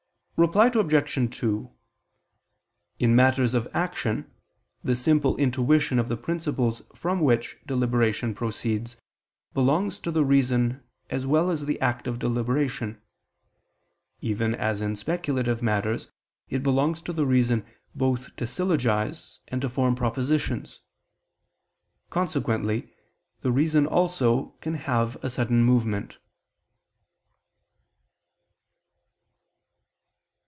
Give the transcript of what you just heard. Reply Obj. 2: In matters of action, the simple intuition of the principles from which deliberation proceeds, belongs to the reason, as well as the act of deliberation: even as in speculative matters it belongs to the reason both to syllogize and to form propositions: consequently the reason also can have a sudden movement.